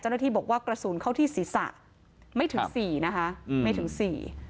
เจ้าหน้าที่บอกว่ากระสุนเข้าที่ศีรษะไม่ถึง๔นะคะ